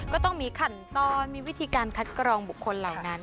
ก็ต้องมีขั้นตอนมีวิธีการคัดกรองบุคคลเหล่านั้น